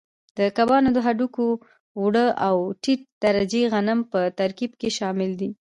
د کبانو د هډوکو اوړه او ټیټ درجې غنم په ترکیب کې شامل دي.